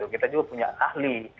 kita juga punya ahli